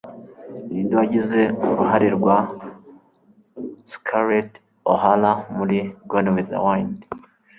Ninde wagize uruhare rwa Scarlett O'Hara muri “Gone with the Wind”?